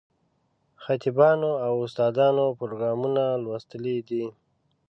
خطیبانو او استادانو پروګرامونه لوستلي دي.